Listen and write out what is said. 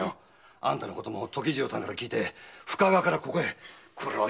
あんたのことも時次郎さんから聞いて深川からここへ。